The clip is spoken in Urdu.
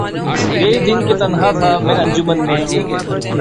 گئے دن کہ تنہا تھا میں انجمن میں